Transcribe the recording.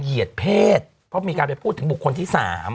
เหยียดเพศเพราะมีการไปพูดถึงบุคคลที่๓